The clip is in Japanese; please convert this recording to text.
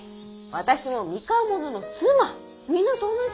私も三河者の妻皆と同じ。